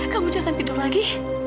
kamu jangan tidur lagi